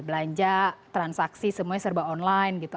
belanja transaksi semuanya serba online gitu